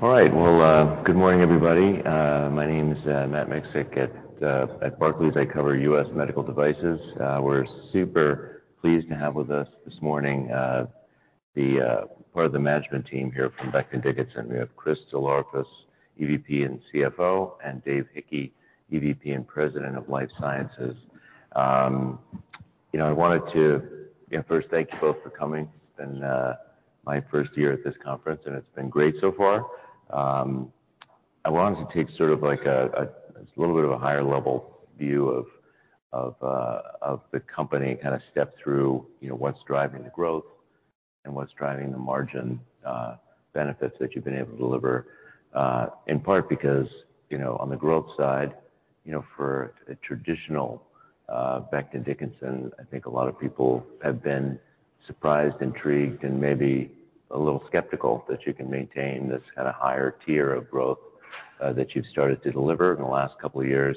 Well, good morning, everybody. My name is Matt Miksic at Barclays. I cover U.S. medical devices. We're super pleased to have with us this morning, the part of the management team here from Becton, Dickinson. We have Chris DelOrefice, EVP and CFO. Dave Hickey, EVP and President of Life Sciences. You know, I wanted to, you know, first thank you both for coming. My first year at this conference, it's been great so far. I wanted to take sort of like it's a little bit of a higher level view of the company, kind of step through, you know, what's driving the growth and what's driving the margin, benefits that you've been able to deliver. In part because, you know, on the growth side, you know, for a traditional Becton, Dickinson, I think a lot of people have been surprised, intrigued, and maybe a little skeptical that you can maintain this kind of higher tier of growth that you've started to deliver in the last couple of years.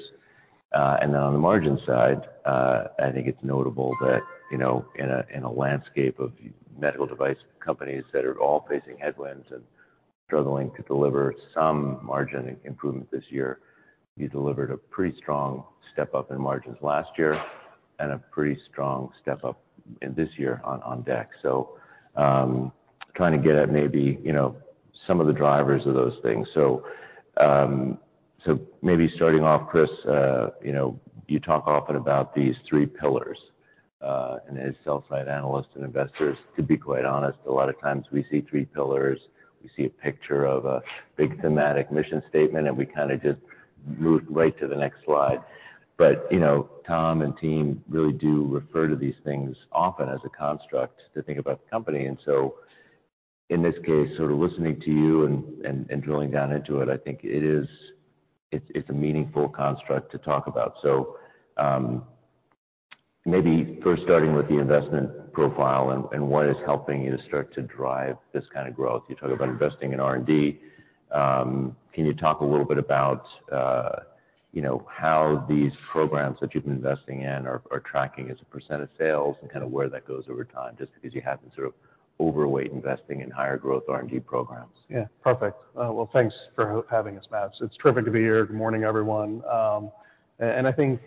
On the margin side, I think it's notable that, you know, in a landscape of medical device companies that are all facing headwinds and struggling to deliver some margin improvement this year, you delivered a pretty strong step-up in margins last year and a pretty strong step-up in this year on deck. Trying to get at maybe, you know, some of the drivers of those things. Maybe starting off, Chris, you know, you talk often about these three pillars, and as sell side analysts and investors, to be quite honest, a lot of times we see three pillars. We see a picture of a big thematic mission statement, and we kind of just move right to the next slide. You know, Tom and team really do refer to these things often as a construct to think about the company. In this case, sort of listening to you and drilling down into it, I think it's a meaningful construct to talk about. Maybe first starting with the investment profile and what is helping you to start to drive this kind of growth. You talk about investing in R&D. Can you talk a little bit about, you know, how these programs that you've been investing in are tracking as a percentage of sales and kind of where that goes over time, just because you have been sort of overweight investing in higher growth R&D programs. Yeah, perfect. Well, thanks for having us, Matt. It's terrific to be here. Good morning, everyone. I think,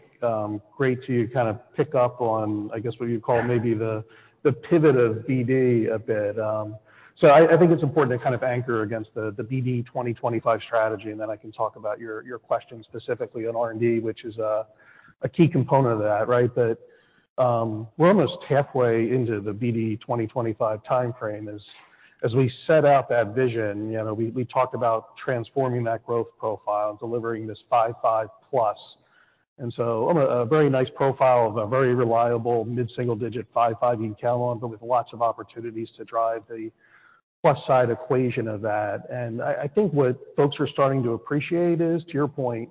great to kind of pick up on, I guess, what you'd call maybe the pivot of BD a bit. I think it's important to kind of anchor against the BD 2025 strategy. I can talk about your question specifically on R&D, which is a key component of that, right? We're almost halfway into the BD 2025 timeframe. As we set out that vision, you know, we talked about transforming that growth profile, delivering this 5.5%+. On a very nice profile of a very reliable mid-single digit 5.5% you can count on, but with lots of opportunities to drive the plus side equation of that. I think what folks are starting to appreciate is, to your point,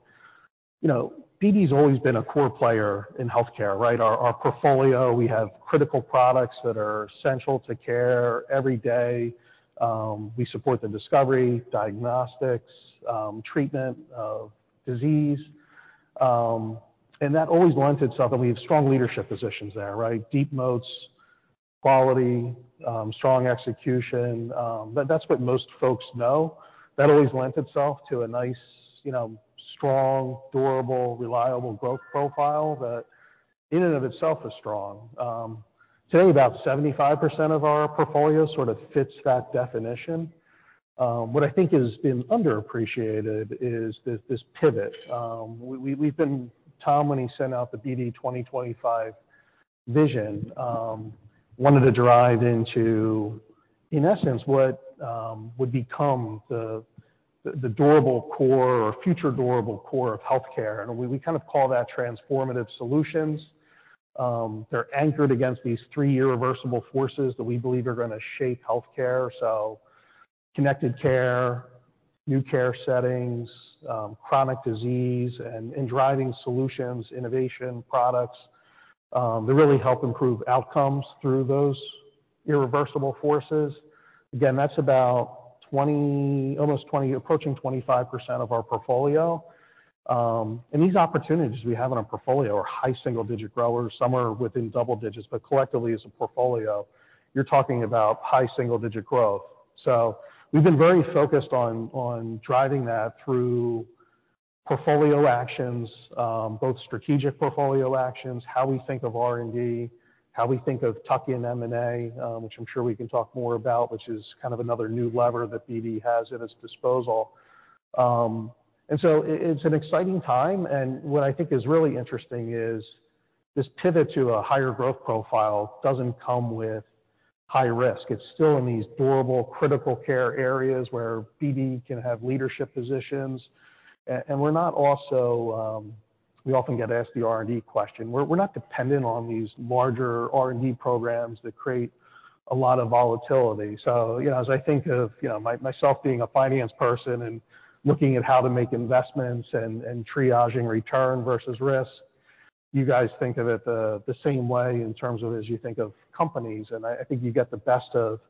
you know, BD's always been a core player in healthcare, right? Our, our portfolio, we have critical products that are essential to care every day. We support the discovery, diagnostics, treatment of disease. That always lent itself, and we have strong leadership positions there, right? Deep moats, quality, strong execution. That's what most folks know. That always lent itself to a nice, you know, strong, durable, reliable growth profile that in and of itself is strong. Today, about 75% of our portfolio sort of fits that definition. What I think has been underappreciated is this pivot. We've been, Tom, when he sent out the BD 2025 vision, wanted to drive into, in essence, what would become the durable core or future durable core of healthcare. We kind of call that transformative solutions. They're anchored against these three irreversible forces that we believe are gonna shape healthcare. Connected care, new care settings, chronic disease and driving solutions, innovation, products that really help improve outcomes through those irreversible forces. Again, that's about approaching 25% of our portfolio. These opportunities we have in our portfolio are high single-digit growers. Some are within double digits, but collectively as a portfolio, you're talking about high single-digit growth. We've been very focused on driving that through portfolio actions, both strategic portfolio actions, how we think of R&D, how we think of tuck in M&A, which I'm sure we can talk more about, which is kind of another new lever that BD has at its disposal. It's an exciting time, and what I think is really interesting is this pivot to a higher growth profile doesn't come with high risk. It's still in these durable critical care areas where BD can have leadership positions. We're not also. We often get asked the R&D question. We're not dependent on these larger R&D programs that create a lot of volatility. You know, as I think of, you know, myself being a finance person and looking at how to make investments and triaging return versus risk, you guys think of it the same way in terms of as you think of companies. I think you get the best of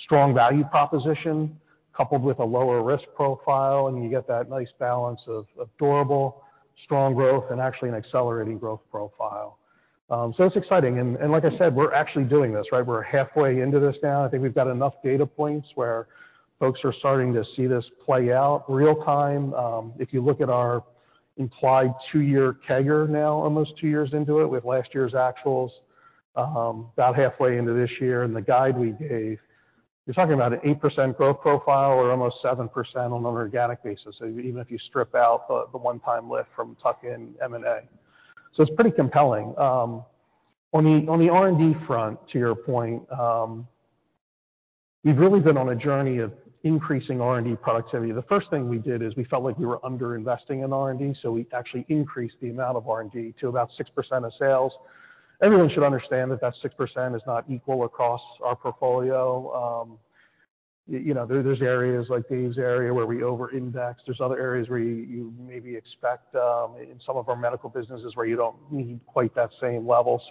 strong value proposition coupled with a lower risk profile, and you get that nice balance of durable, strong growth and actually an accelerating growth profile. It's exciting. Like I said, we're actually doing this, right? We're halfway into this now. I think we've got enough data points where folks are starting to see this play out real time. If you look at our implied two-year CAGR now, almost two years into it, with last year's actuals, about halfway into this year and the guide we gave, you're talking about an 8% growth profile or almost 7% on an organic basis. Even if you strip out the one-time lift from tuck-in M&A. It's pretty compelling. On the R&D front, to your point, we've really been on a journey of increasing R&D productivity. The first thing we did is we felt like we were under-investing in R&D, we actually increased the amount of R&D to about 6% of sales. Everyone should understand that that 6% is not equal across our portfolio. There's areas like Dave's area where we over-index. There's other areas where you maybe expect in some of our medical businesses where you don't need quite that same level.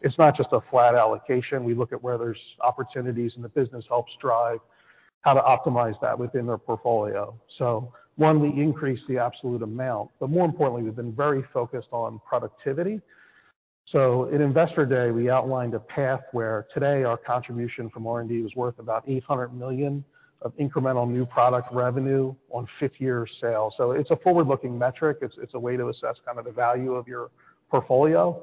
It's not just a flat allocation. We look at where there's opportunities, and the business helps drive how to optimize that within their portfolio. One, we increase the absolute amount, but more importantly, we've been very focused on productivity. At Investor Day, we outlined a path where today our contribution from R&D is worth about $800 million of incremental new product revenue on fifth-year sales. It's a forward-looking metric. It's a way to assess kind of the value of your portfolio.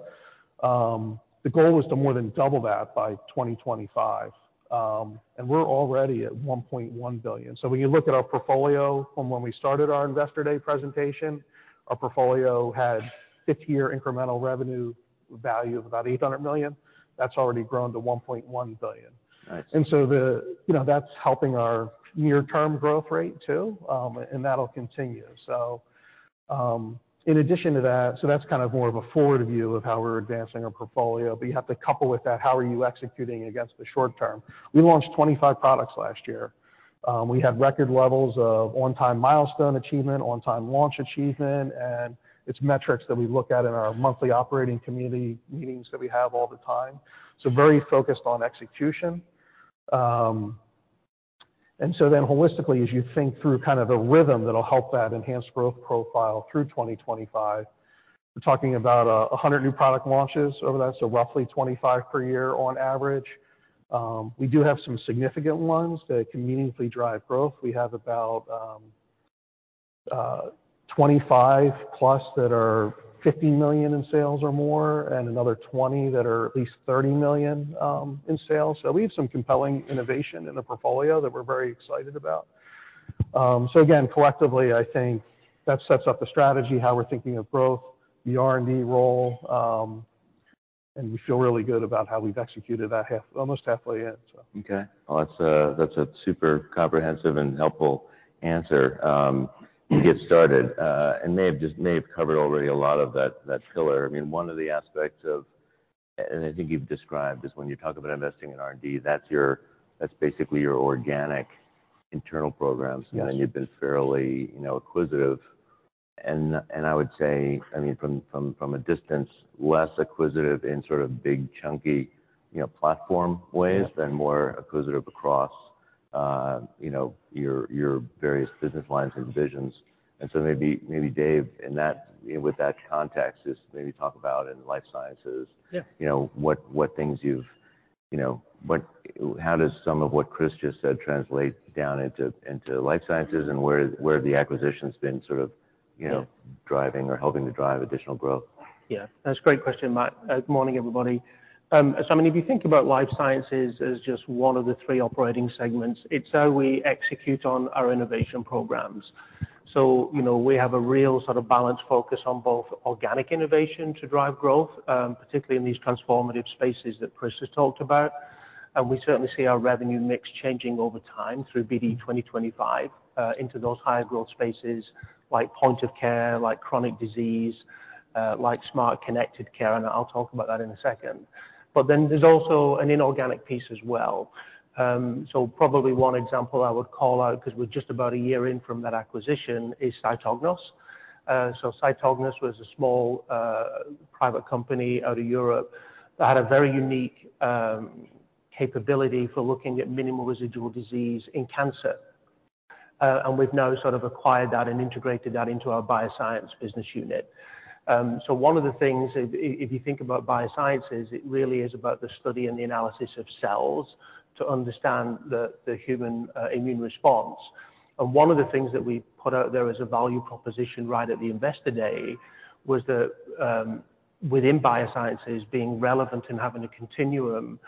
The goal was to more than double that by 2025, and we're already at $1.1 billion. When you look at our portfolio from when we started our Investor Day presentation, our portfolio had fifth-year incremental revenue value of about $800 million. That's already grown to $1.1 billion. Nice. You know, that's helping our near-term growth rate too, and that'll continue. In addition to that's kind of more of a forward view of how we're advancing our portfolio. You have to couple with that, how are you executing against the short term? We launched 25 products last year. We have record levels of on-time milestone achievement, on-time launch achievement, and it's metrics that we look at in our monthly operating community meetings that we have all the time. Very focused on execution. Holistically, as you think through kind of the rhythm that'll help that enhanced growth profile through 2025, we're talking about 100 new product launches over that. Roughly 25 per year on average. We do have some significant ones that can meaningfully drive growth. We have about 25+ that are $50 million in sales or more, and another 20 that are at least $30 million in sales. We have some compelling innovation in the portfolio that we're very excited about. Again, collectively, I think that sets up the strategy, how we're thinking of growth, the R&D role, and we feel really good about how we've executed that almost halfway in, so. Okay. Well, that's a, that's a super comprehensive and helpful answer to get started. May have covered already a lot of that pillar. I mean, one of the aspects of, and I think you've described, is when you talk about investing in R&D, that's basically your organic internal programs. Yes. Then you've been fairly, you know, acquisitive. I would say, I mean, from a distance, less acquisitive in sort of big chunky, you know, platform ways. Yeah. Than more acquisitive across, you know, your various business lines and divisions. Maybe Dave, with that context, just maybe talk about in life sciences. Yeah. How does some of what Chris just said translate down into life sciences and where have the acquisitions been sort of, you know, driving or helping to drive additional growth? Yeah, that's a great question, Matt. Morning, everybody. I mean, if you think about life sciences as just one of the three operating segments, it's how we execute on our innovation programs. You know, we have a real sort of balanced focus on both organic innovation to drive growth, particularly in these transformative spaces that Chris has talked about. We certainly see our revenue mix changing over time through BD 2025, into those higher growth spaces like point of care, like chronic disease, like smart connected care, and I'll talk about that in a second. There's also an inorganic piece as well. Probably one example I would call out, because we're just about a year in from that acquisition, is Cytognos. Cytognos was a small, private company out of Europe that had a very unique capability for looking at minimal residual disease in cancer. We've now sort of acquired that and integrated that into our bioscience business unit. One of the things, if you think about biosciences, it really is about the study and the analysis of cells to understand the human immune response. One of the things that we put out there as a value proposition right at the Investor Day was that, within biosciences, being relevant and having a continuum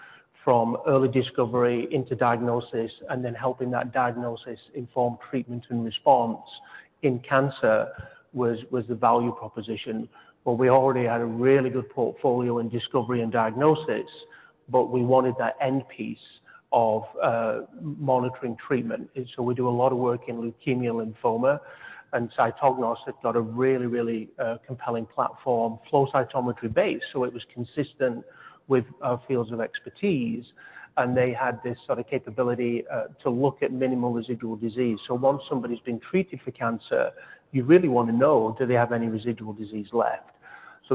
from early discovery into diagnosis and then helping that diagnosis inform treatment and response in cancer was the value proposition. We already had a really good portfolio in discovery and diagnosis, but we wanted that end piece of monitoring treatment. We do a lot of work in leukemia and lymphoma, Cytognos had got a really, really compelling platform, flow cytometry-based, it was consistent with our fields of expertise, and they had this sort of capability to look at minimal residual disease. Once somebody's been treated for cancer, you really want to know, do they have any residual disease left?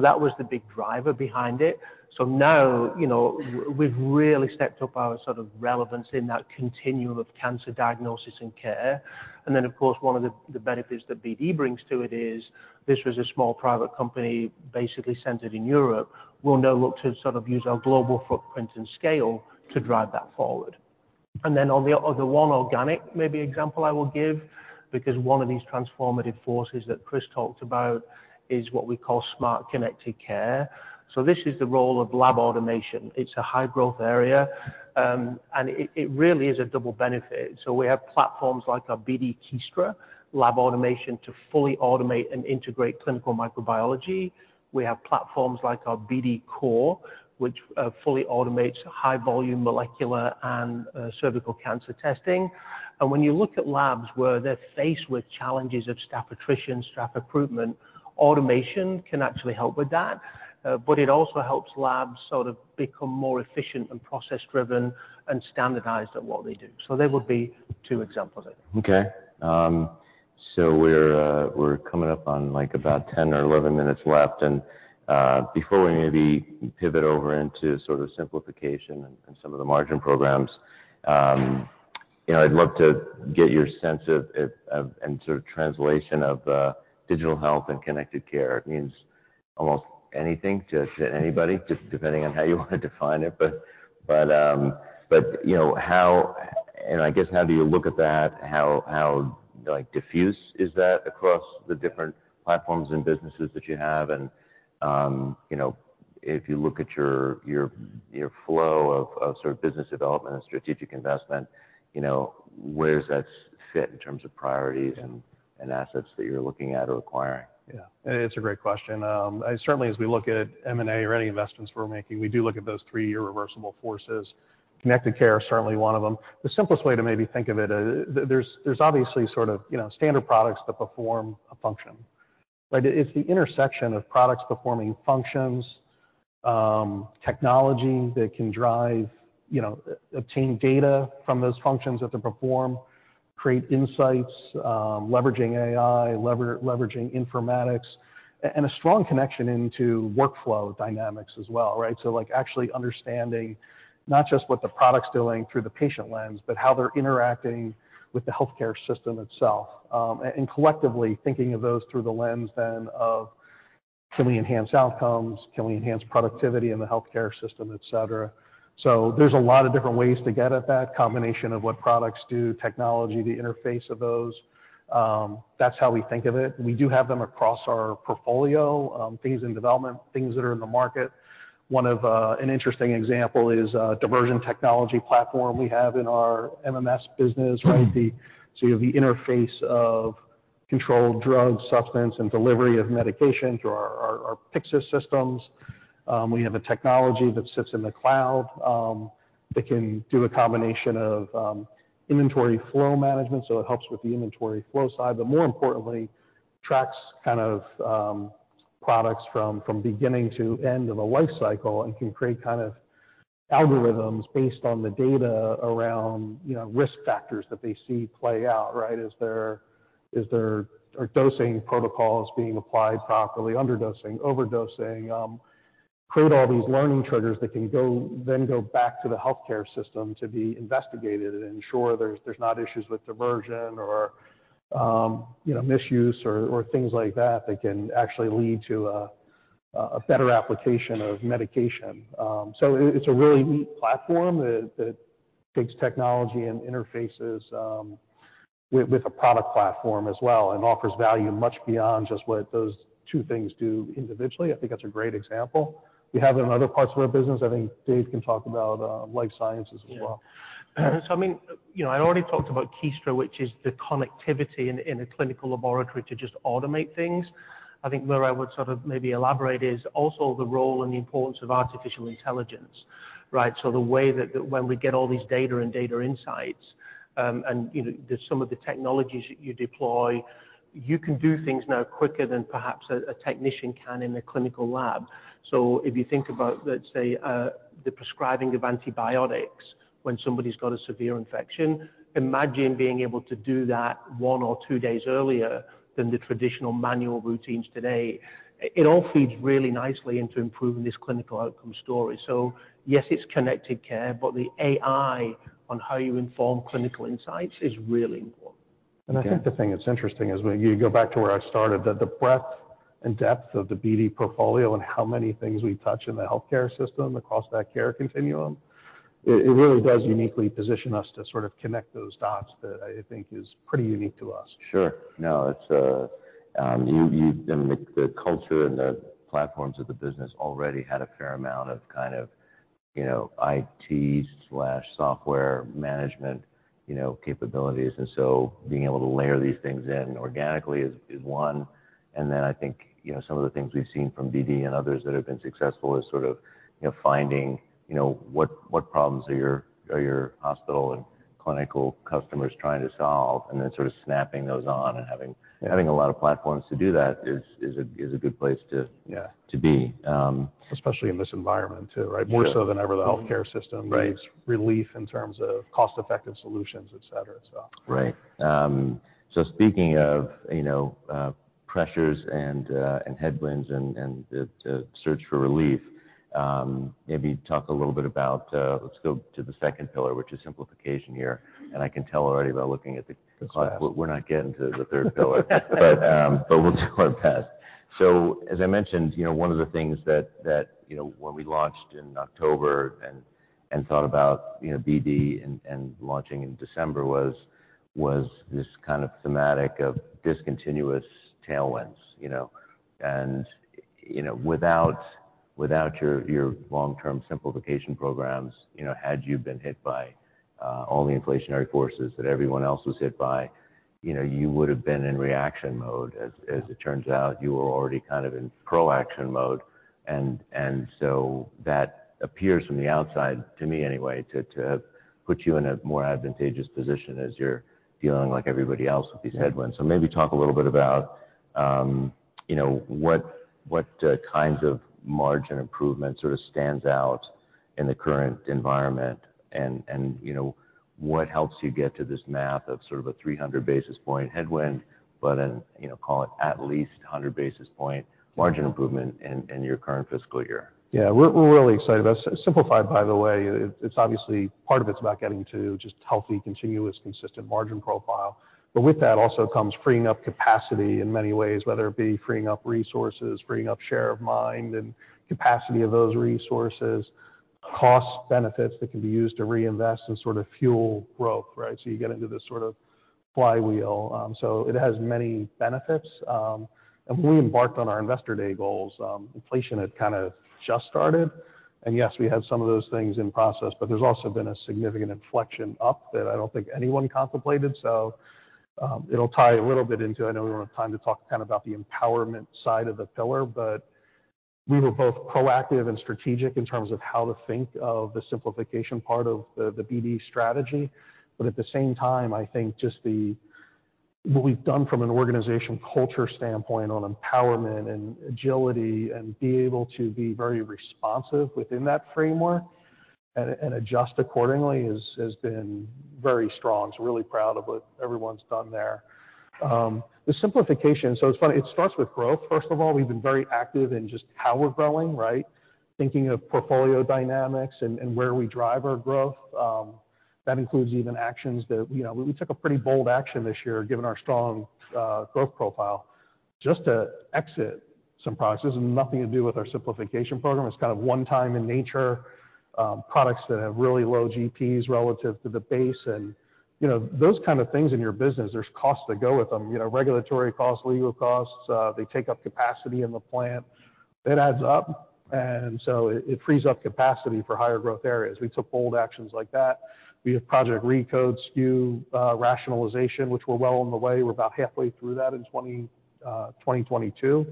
That was the big driver behind it. Now, you know, we've really stepped up our sort of relevance in that continuum of cancer diagnosis and care. Of course, one of the benefits that BD brings to it is this was a small private company basically centered in Europe. We'll now look to sort of use our global footprint and scale to drive that forward. On the other one, organic maybe example I will give, because one of these transformative forces that Chris talked about is what we call smart connected care. This is the role of lab automation. It's a high-growth area, and it really is a double benefit. We have platforms like our BD Kiestra Lab Automation to fully automate and integrate clinical microbiology. We have platforms like our BD COR, which fully automates high volume molecular and cervical cancer testing. When you look at labs where they're faced with challenges of staff attrition, staff recruitment, automation can actually help with that. It also helps labs sort of become more efficient and process-driven and standardized at what they do. They would be two examples of it. Okay. We're coming up on like about 10 or 11 minutes left. Before we maybe pivot over into sort of simplification and some of the margin programs, you know, I'd love to get your sense of and sort of translation of digital health and connected care. It means almost anything to anybody, just depending on how you want to define it. You know, I guess, how do you look at that? How, like, diffuse is that across the different platforms and businesses that you have? You know, if you look at your flow of sort of business development and strategic investment, you know, where does that fit in terms of priorities and assets that you're looking at or acquiring? Yeah, it's a great question. Certainly as we look at M&A or any investments we're making, we do look at those three irreversible forces. Connected care is certainly one of them. The simplest way to maybe think of it, there's obviously sort of, you know, standard products that perform a function, but it's the intersection of products performing functions, technology that can drive, you know, obtain data from those functions that they perform, create insights, leveraging AI, leveraging informatics, and a strong connection into workflow dynamics as well, right? Like actually understanding not just what the product's doing through the patient lens, but how they're interacting with the healthcare system itself. And collectively thinking of those through the lens then of can we enhance outcomes, can we enhance productivity in the healthcare system, et cetera. There's a lot of different ways to get at that combination of what products do, technology, the interface of those. That's how we think of it. We do have them across our portfolio, things in development, things that are in the market. One of an interesting example is a diversion technology platform we have in our MMS business, right? You have the interface of controlled drug substance and delivery of medication through our Pyxis systems. We have a technology that sits in the cloud that can do a combination of inventory flow management, so it helps with the inventory flow side, but more importantly, tracks kind of products from beginning to end of a life cycle and can create kind of algorithms based on the data around, you know, risk factors that they see play out, right? Are dosing protocols being applied properly, underdosing, overdosing? Create all these learning triggers that can then go back to the healthcare system to be investigated and ensure there's not issues with diversion or, you know, misuse or things like that can actually lead to a better application of medication. It's a really neat platform that takes technology and interfaces with a product platform as well and offers value much beyond just what those two things do individually. I think that's a great example. We have it in other parts of our business. I think Dave can talk about life sciences as well. Yeah. I mean, you know, I already talked about Kiestra, which is the connectivity in a clinical laboratory to just automate things. I think where I would sort of maybe elaborate is also the role and the importance of artificial intelligence, right? The way that when we get all these data and data insights, and, you know, some of the technologies that you deploy, you can do things now quicker than perhaps a technician can in a clinical lab. If you think about, let's say, the prescribing of antibiotics when somebody's got a severe infection, imagine being able to do that one or two days earlier than the traditional manual routines today. It all feeds really nicely into improving this clinical outcome story. Yes, it's connected care, but the AI on how you inform clinical insights is really important. Okay. I think the thing that's interesting is when you go back to where I started, that the breadth and depth of the BD portfolio and how many things we touch in the healthcare system across that care continuum, it really does uniquely position us to sort of connect those dots that I think is pretty unique to us. Sure. No, it's, I mean, the culture and the platforms of the business already had a fair amount of kind of, you know, IT/software management, you know, capabilities. Being able to layer these things in organically is one. I think, you know, some of the things we've seen from BD and others that have been successful is sort of, you know, finding, you know, what problems are your, are your hospital and clinical customers trying to solve, and then sort of snapping those on and having a lot of platforms to do that is a good place to. Yeah. To be. Especially in this environment too, right? Sure. More so than ever, the healthcare system. Right. Needs relief in terms of cost-effective solutions, et cetera. Right. speaking of, you know, pressures and headwinds and the search for relief, maybe talk a little bit about, let's go to the second pillar, which is simplification here. I can tell already by looking at the clock. The slides. We're not getting to the third pillar. We'll do our best. As I mentioned, you know, one of the things that, you know, when we launched in October and thought about, you know, BD and launching in December was this kind of thematic of discontinuous tailwinds, you know. Without, you know, your long-term simplification programs, you know, had you been hit by all the inflationary forces that everyone else was hit by, you know, you would've been in reaction mode. As it turns out, you were already kind of in proaction mode and so that appears from the outside, to me anyway, to put you in a more advantageous position as you're dealing like everybody else with these headwinds. Maybe talk a little bit about, you know, what, kinds of margin improvement sort of stands out in the current environment and, you know, what helps you get to this math of sort of a 300 basis point headwind, but an, you know, call it at least a 100 basis point margin improvement in your current fiscal year. Yeah. We're really excited about it. Simplified, by the way, it's obviously part of it's about getting to just healthy, continuous, consistent margin profile. With that also comes freeing up capacity in many ways, whether it be freeing up resources, freeing up share of mind and capacity of those resources, cost benefits that can be used to reinvest and sort of fuel growth, right? You get into this sort of flywheel. So it has many benefits. When we embarked on our Investor Day goals, inflation had kind of just started. Yes, we had some of those things in process, but there's also been a significant inflection up that I don't think anyone contemplated. It'll tie a little bit into, I know we don't have time to talk kind of about the empowerment side of the pillar, but we were both proactive and strategic in terms of how to think of the simplification part of the BD strategy. At the same time, I think just what we've done from an organization culture standpoint on empowerment and agility and be able to be very responsive within that framework and adjust accordingly has been very strong, really proud of what everyone's done there. The simplification, it's funny, it starts with growth. First of all, we've been very active in just how we're growing, right? Thinking of portfolio dynamics and where we drive our growth. That includes even actions that, you know, we took a pretty bold action this year, given our strong growth profile, just to exit some products. This has nothing to do with our simplification program. It's kind of one time in nature, products that have really low GPs relative to the base and, you know, those kind of things in your business, there's costs that go with them. You know, regulatory costs, legal costs, they take up capacity in the plant. It adds up, and so it frees up capacity for higher growth areas. We took bold actions like that. We have Project RECODE, SKU rationalization, which we're well on the way. We're about halfway through that in 2022,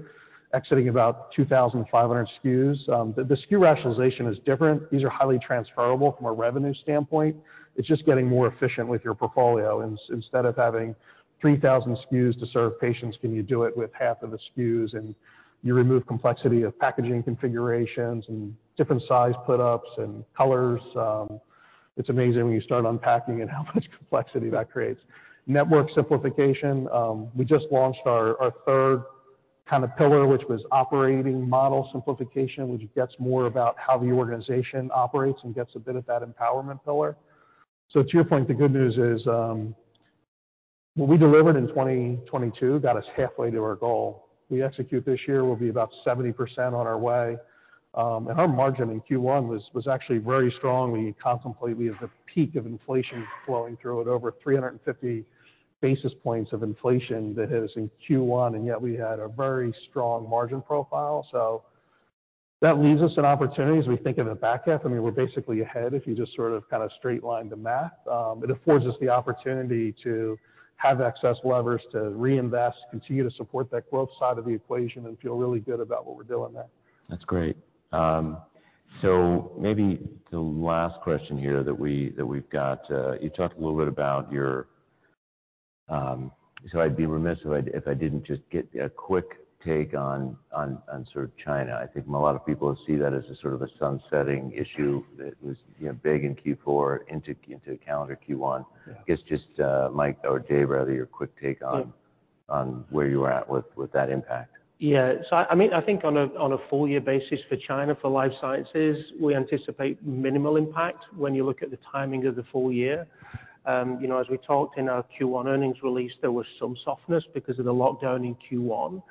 exiting about 2,500 SKUs. The SKU rationalization is different. These are highly transferable from a revenue standpoint. It's just getting more efficient with your portfolio. Instead of having 3,000 SKUs to serve patients, can you do it with half of the SKUs? You remove complexity of packaging configurations and different size put-ups and colors. It's amazing when you start unpacking it, how much complexity that creates. Network simplification. We just launched our third kind of pillar, which was operating model simplification, which gets more about how the organization operates and gets a bit of that empowerment pillar. To your point, the good news is, what we delivered in 2022 got us halfway to our goal. We execute this year, we'll be about 70% on our way. Our margin in Q1 was actually very strong. We contemplated the peak of inflation flowing through it, over 350 basis points of inflation that hit us in Q1, yet we had a very strong margin profile. That leaves us an opportunity as we think of the back half. I mean, we're basically ahead if you just sort of kind of straight line the math. It affords us the opportunity to have excess levers to reinvest, continue to support that growth side of the equation and feel really good about what we're doing there. That's great. Maybe the last question here that we've got, you talked a little bit about your, so I'd be remiss if I didn't just get a quick take on sort of China. I think a lot of people see that as a sort of a sun-setting issue that was, you know, big in Q4 into calendar Q1. Yeah. I guess just, Mike or Dave, rather, your quick take on. Yeah. On where you are at with that impact. I mean, I think on a full year basis for China, for life sciences, we anticipate minimal impact when you look at the timing of the full year. You know, as we talked in our Q1 earnings release, there was some softness because of the lockdown in Q1.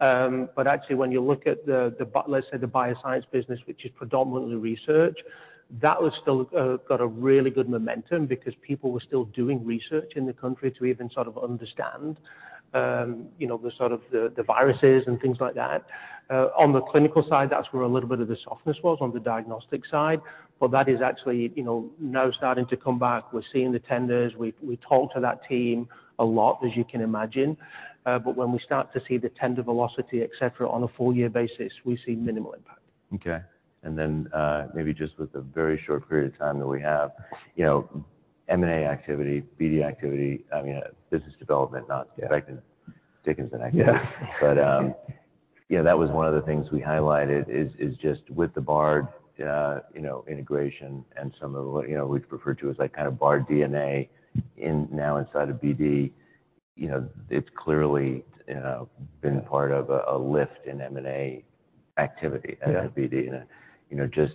Actually, when you look at the, let's say the bioscience business, which is predominantly research, that was still got a really good momentum because people were still doing research in the country to even sort of understand, you know, the sort of the viruses and things like that. On the clinical side, that's where a little bit of the softness was on the diagnostic side. That is actually, you know, now starting to come back. We're seeing the tenders. We talk to that team a lot, as you can imagine. When we start to see the tender velocity, et cetera, on a full year basis, we see minimal impact. Okay. maybe just with the very short period of time that we have, you know, M&A activity, BD activity, I mean, business development, not Dickinson again. Yeah. Yeah, that was one of the things we highlighted is just with the Bard, you know, integration and some of the, you know, we'd refer to as like kind of Bard DNA now inside of BD, you know, it's clearly been part of a lift in M&A activity. Yeah. At BD. you know, just,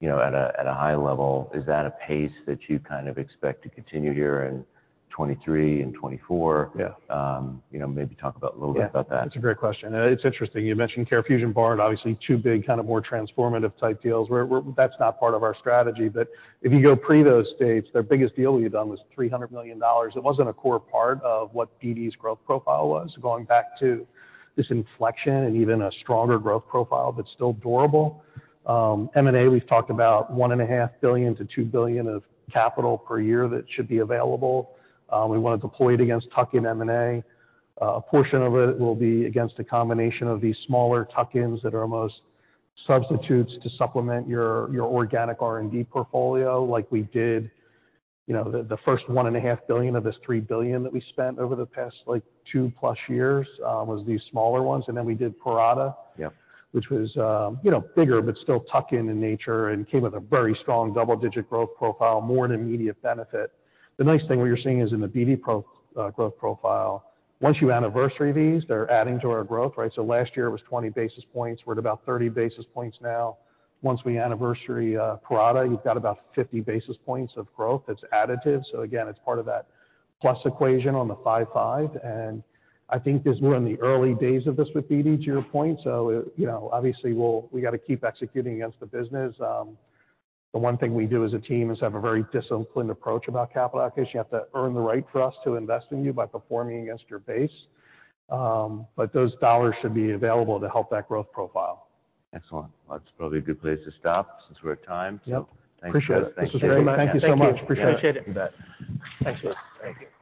you know, at a high level, is that a pace that you kind of expect to continue here in 2023 and 2024? Yeah. You know, maybe talk about a little bit about that. Yeah. That's a great question. It's interesting, you mentioned CareFusion, Bard, obviously two big kind of more transformative type deals. That's not part of our strategy. If you go pre those dates, the biggest deal we've done was $300 million. It wasn't a core part of what BD's growth profile was, going back to this inflection and even a stronger growth profile, but still durable. M&A, we've talked about $1.5 billion-$2 billion of capital per year that should be available. We want to deploy it against tuck-in M&A. A portion of it will be against a combination of these smaller tuck-ins that are almost substitutes to supplement your organic R&D portfolio, like we did, you know, the first $1.5 billion of this $3 billion that we spent over the past like two-plus years, was these smaller ones. We did Parata. Yeah. Which was, you know, bigger, but still tuck-in in nature and came with a very strong double-digit growth profile, more an immediate benefit. The nice thing we are seeing is in the BD growth profile. Once you anniversary these, they're adding to our growth, right? Last year it was 20 basis points. We're at about 30 basis points now. Once we anniversary Parata, you've got about 50 basis points of growth that's additive. Again, it's part of that plus equation on the five-five. I think this, we're in the early days of this with BD, to your point. You know, obviously we got to keep executing against the business. The one thing we do as a team is have a very disciplined approach about capital allocation. You have to earn the right for us to invest in you by performing against your base. Those dollars should be available to help that growth profile. Excellent. Well, that's probably a good place to stop since we're at time. Yep. Thanks guys. Appreciate it. Thanks so much. Thank you so much. Appreciate it. Appreciate that. Thanks. Thank you.